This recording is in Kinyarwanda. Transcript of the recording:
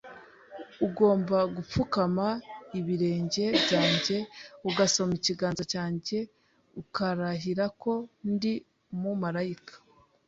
Ugomba gupfukama ibirenge byanjye, ugasoma ikiganza cyanjye ukarahira ko ndi umumarayika.